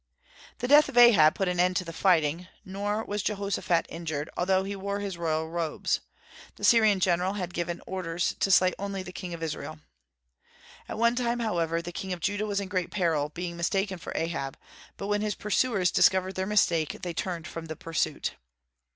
The death of Ahab put an end to the fighting; nor was Jehoshaphat injured, although he wore his royal robes. The Syrian general had given orders to slay only the king of Israel. At one time, however, the king of Judah was in great peril, being mistaken for Ahab; but when his pursuers discovered their mistake, they turned from the pursuit.